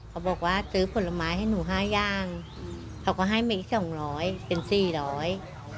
บอกว่าซื้อผลไม้ให้หนูห้าย่างเขาก็ให้เมสองร้อยเป็นสี่ร้อย